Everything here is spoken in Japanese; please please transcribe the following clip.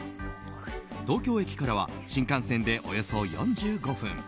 東京駅からは新幹線でおよそ４５分。